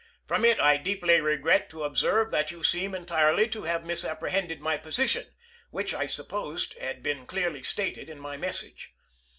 From it I deeply regret to observe that you seem entirely to have misapprehended my position, which I supposed had been clearly stated in my message.